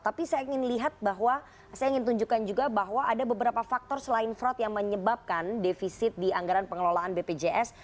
tapi saya ingin lihat bahwa saya ingin tunjukkan juga bahwa ada beberapa faktor selain fraud yang menyebabkan defisit di anggaran pengelolaan bpjs